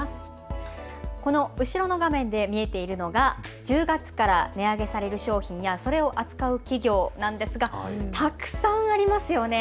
この後ろの画面で見えているのが１０月から値上げされる商品やそれを扱う企業なんですがたくさんありますよね。